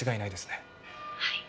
はい。